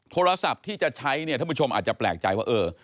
โทรศัพท์ที่จะใช้เนี่ยท่านผู้ชมอาจจะแปลกใจว่าเออ